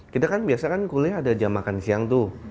kita kan biasa kan kuliah ada jam makan siang tuh